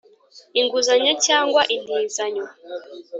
inguzanyo cyangwa intizanyo